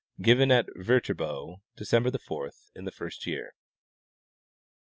Given at Viterbo December 4th, in the first year.